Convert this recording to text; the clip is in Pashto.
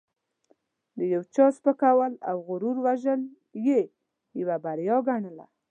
د یو چا سپکول او غرور وژل یې یوه بریا ګڼله.